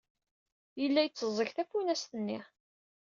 Yella yetteẓẓeg tafunast-nni.